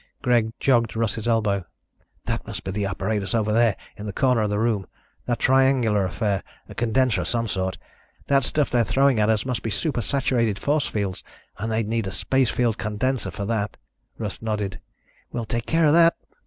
Greg jogged Russ's elbow. "That must be the apparatus over there, in the corner of the room. That triangular affair. A condenser of some sort. That stuff they're throwing at us must be super saturated force fields and they'd need a space field condenser for that." Russ nodded. "We'll take care of that."